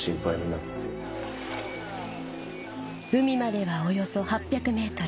海まではおよそ８００ｍ